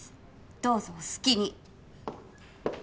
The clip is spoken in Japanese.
どうぞお好きに！